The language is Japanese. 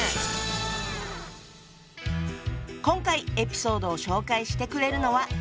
今回エピソードを紹介してくれるのは。